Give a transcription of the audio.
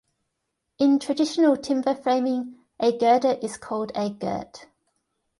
In traditional timber framing a girder is called a girt.